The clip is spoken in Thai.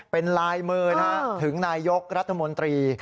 เป็นลายมือถึงนายกรัฐมนตรี